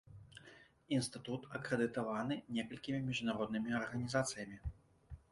Інстытут акрэдытаваны некалькімі міжнароднымі арганізацыямі.